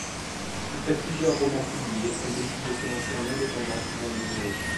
Après plusieurs romans publiés, elle décide de se lancer en indépendante dans le numérique.